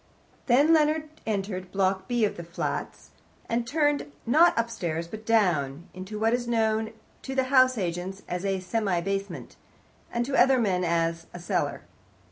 Then Leonard entered Block B of the flats, and turned, not upstairs, but down, into what is known to house agents as a semi basement, and to other men as a cellar.